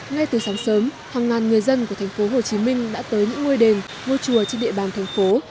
ngay từ sáng sớm hàng ngàn người dân của tp hcm đã tới những ngôi đền ngôi chùa trên địa bàn thành phố